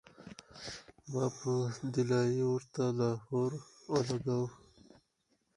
ما پۀ “دلائي” ورته لاهور او لګوو